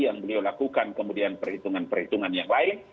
yang beliau lakukan kemudian perhitungan perhitungan yang lain